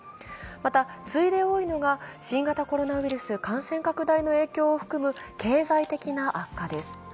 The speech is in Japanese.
また次いで多いのが新型コロナウイルス感染拡大の影響を含む経済的な悪化です。